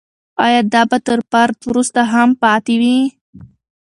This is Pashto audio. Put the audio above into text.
دا به تر فرد وروسته هم پاتې وي.